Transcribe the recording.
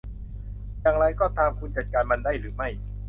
อย่างไรก็ตามคุณจัดการมันได้หรือไม่